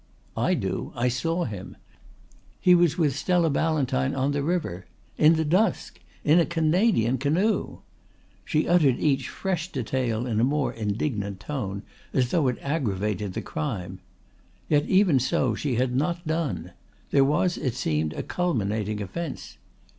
"I do. I saw him. He was with Stella Ballantyne on the river in the dusk in a Canadian canoe." She uttered each fresh detail in a more indignant tone, as though it aggravated the crime. Yet even so she had not done. There was, it seemed, a culminating offence.